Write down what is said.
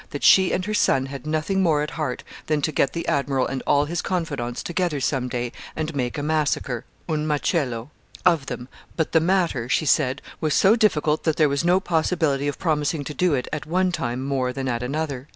"that she and her son had nothing more at heart than to get the admiral and all his confidants together some day and make a massacre (un macello) of them; but the matter," she said, "was so difficult that there was no possibility of promising to do it at one time more than at another."